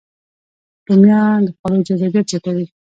رومیان د خوړو جذابیت زیاتوي